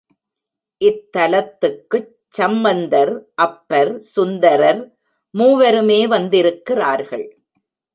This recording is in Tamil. இத்தலத்துக்குச் சம்பந்தர், அப்பர், சுந்தரர், மூவருமே வந்திருக்கிறார்கள்.